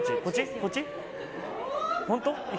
こっち？